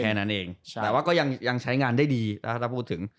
แค่นั้นเองแต่ว่าก็ยังใช้งานได้ดีถ้าพูดถึง